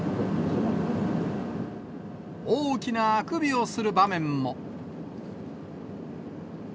大きなあくびをする場面も。